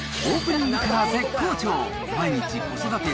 オープニングから絶好調。